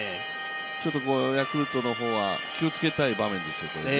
ちょっとヤクルトの方は気をつけたい場面ですよね。